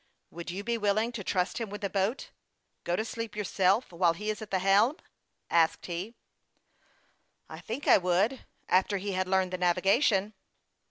" Would you be willing to trust him with the boat ? turn in and go to sleep yourself, while he is at the helm ?" asked he. " I think I would, after he had learned the navi gation."